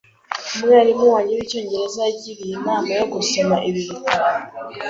Umwarimu wanjye wicyongereza yangiriye inama yo gusoma ibi bitabo .